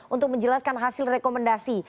untuk menjelaskan hasil rekomendasi